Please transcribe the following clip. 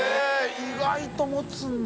意外と持つんだ。